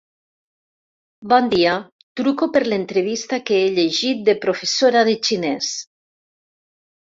Bon dia, truco per l'entrevista que he llegit de professora de xinès.